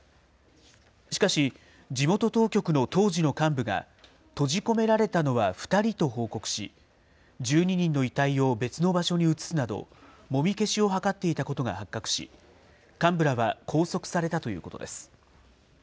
しかし、地元当局の当時の幹部が、閉じ込められたのは２人と報告し、１２人の遺体を別の場所に移すなど、もみ消しを図っていたことが発覚し、幹部らは拘束されたということです。